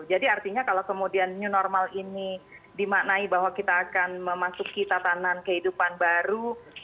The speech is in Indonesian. jadi artinya kalau kemudian new normal ini dimaknai bahwa kita akan memasuki tatanan kehidupan baru